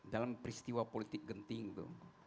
dalam peristiwa politik genting itu